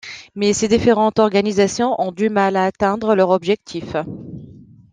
Mais ces différentes organisations ont du mal à atteindre leurs objectifs.